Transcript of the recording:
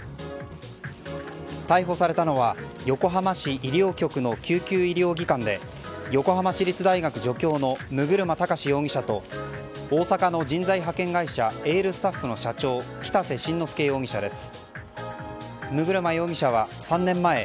逮捕されたのは横浜市医療局の救急医療技官で横浜市立大学助教の六車崇容疑者と大阪の人材派遣会社エールスタッフの社長北瀬真之介容疑者です。